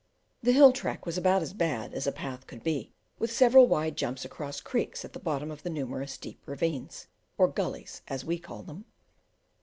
The hill track was about as bad as a path could be, with several wide jumps across creeks at the bottom of the numerous deep ravines, or gullies as we call them.